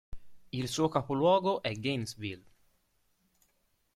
Il suo capoluogo è Gainesville.